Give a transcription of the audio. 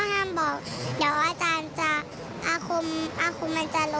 ห้ามบอกเดี๋ยวอาจารย์จะอาคมอาคมมันจะรอ